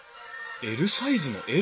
ＬサイズのＬ？